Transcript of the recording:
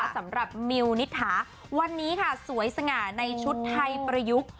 สำหรับมิวนิษฐาวันนี้ค่ะสวยสง่าในชุดไทยประยุกต์